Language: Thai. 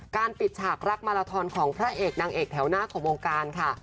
ปิดฉากรักมาลาทอนของพระเอกนางเอกแถวหน้าของวงการค่ะ